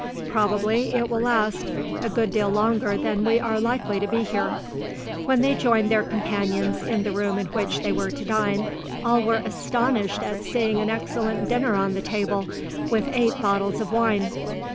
Probably, it will last a good deal longer than we are likely to be here." When they joined their companions, in the room in which they were to dine, all were astonished at seeing an excellent dinner on the table, with eight bottles of wine.